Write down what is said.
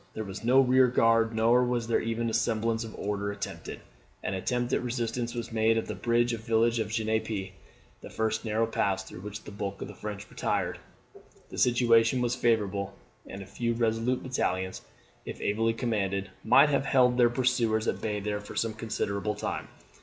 There was no rear guard; nor was even the semblance of order attempted, an attempt at resistance was made at the bridge and village of Genappe, the first narrow pass through which the bulk of the French retired. The situation was favourable; and a few resolute battalions, if ably commanded, might have held their pursuers at bay there for some considerable time.